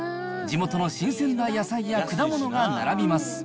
地元の新鮮な野菜や果物が並びます。